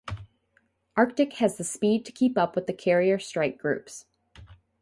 "Arctic" has the speed to keep up with the carrier strike groups.